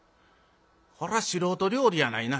こら素人料理やないな。